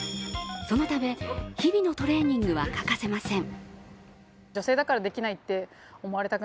そのため、日々のトレーニングは欠かせません。